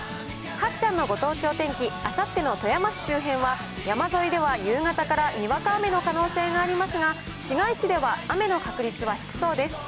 はっちゃんのご当地お天気、あさっての富山市周辺は、山沿いでは夕方からにわか雨の可能性がありますが、市街地では雨の確率は低そうです。